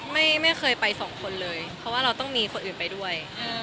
ไม่เคยไปสองคนเลยเพราะว่าเราต้องมีคนอื่นไปด้วย